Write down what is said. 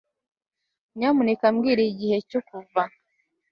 Nyamuneka mbwira igihe cyo kuva